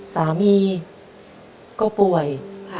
สามีก็ป่วย